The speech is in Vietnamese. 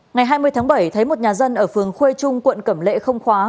ngày hai mươi tháng bảy thấy một nhà dân ở phường khuê trung quận cẩm lệ không khóa